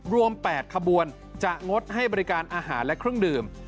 รวม๘ขบวนจะงดให้บริการอาหารและเครื่องดื่ม